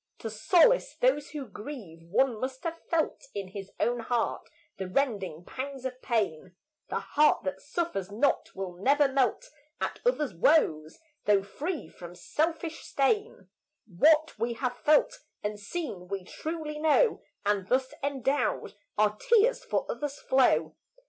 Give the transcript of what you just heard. To solace those who grieve one must have felt In his own heart the rending pangs of pain; The heart that suffers not will never melt At others' woes, though free from selfish stain; What we have felt and seen we truly know, And thus endowed, our tears for others flow.